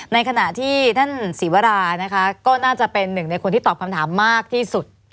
ในขณะที่ท่านศรีวรานะคะก็น่าจะเป็นหนึ่งในคนที่ตอบคำถามมากที่สุด